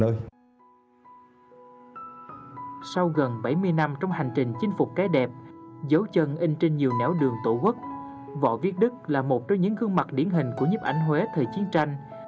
ông là một trong những khuôn mặt điển hình của nhiếp ảnh huế thời chiến tranh